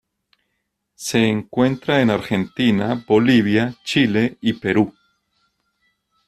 Se encuentra en Argentina, Bolivia, Chile y Perú.